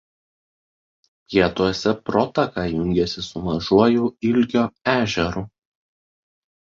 Pietuose protaka jungiasi su Mažuoju Ilgio ežeru.